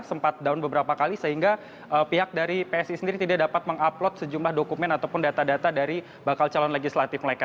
sempat down beberapa kali sehingga pihak dari psi sendiri tidak dapat mengupload sejumlah dokumen ataupun data data dari bakal calon legislatif mereka